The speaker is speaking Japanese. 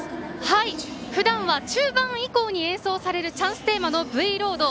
ふだんは中盤以降に演奏されるチャンステーマの「Ｖロード」